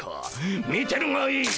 見てるがいい！